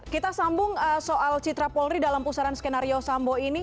kita sambung soal citra polri dalam pusaran skenario sambo ini